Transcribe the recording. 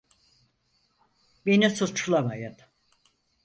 Beni suçlamayın.